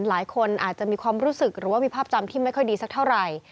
หลายคนอาจจะมีความรู้สึกหรือว่ามีภาพจำที่ไม่ค่อยดีสักเท่าไหร่